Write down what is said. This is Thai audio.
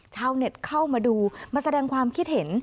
ชาวเน็ตเข้ามาดูมาแสดงความคิดเห็น